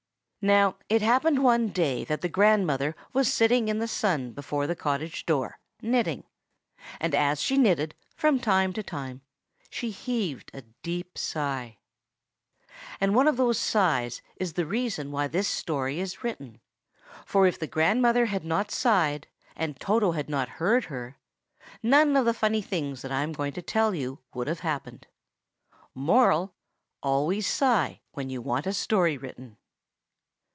Now, it happened one day that the grandmother was sitting in the sun before the cottage door, knitting; and as she knitted, from time to time she heaved a deep sigh. And one of those sighs is the reason why this story is written; for if the grandmother had not sighed, and Toto had not heard her, none of the funny things that I am going to tell you would have happened. Moral: always sigh when you want a story written.